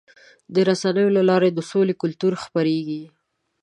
د رسنیو له لارې د سولې کلتور خپرېږي.